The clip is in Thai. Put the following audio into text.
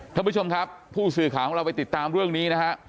ท่านผู้ชมครับผู้สื่อข่าวของเราไปติดตามเรื่องนี้นะฮะ